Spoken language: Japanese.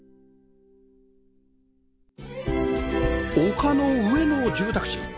丘の上の住宅地